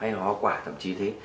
hay là hóa quả thậm chí thế